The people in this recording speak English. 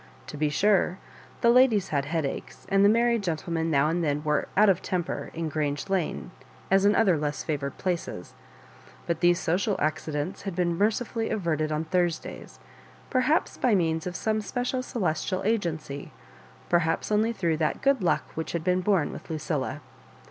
To be sure, the ladies had headaches, and the married gentlemen now and then were out of temper in Grange Lane as in other less favoured places ; but these social accidents had been mercifully averted on Thursdays, perhaps by means of some special celestial agency, perhaps only through that good luck which had been bom with Lucilla.